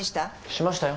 しましたよ。